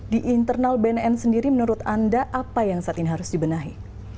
di internal bnn sendiri menurut anda apa yang saat ini harus dibenahi